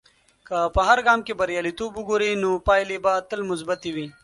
که په هر ګام کې بریالیتوب وګورې، نو پایلې به تل مثبتي وي.